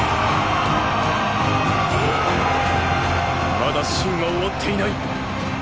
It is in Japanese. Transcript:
まだ秦は終わっていない！